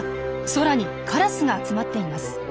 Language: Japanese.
空にカラスが集まっています。